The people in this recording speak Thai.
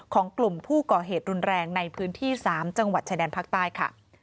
ของกลุ่มผู้ก่อเหตุรุนแรงในพื้นที่๓จังหวัดชายแดนภาคใต้ค่ะ